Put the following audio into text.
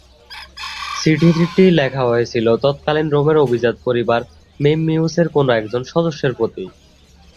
চিঠিটি লেখা হয়েছিল তৎকালীন রোমের অভিজাত পরিবার মেম্মিউস-এর কোন একজন সদস্যের প্রতি।